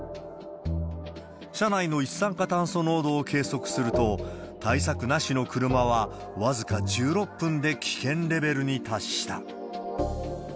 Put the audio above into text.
車内の一酸化炭素濃度を計測すると、対策なしの車は、僅か１６分で危険レベルに達した。